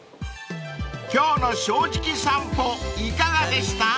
［今日の『正直さんぽ』いかがでした？］